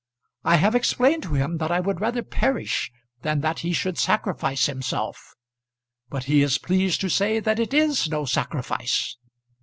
I have explained to him that I would rather perish than that he should sacrifice himself; but he is pleased to say that it is no sacrifice.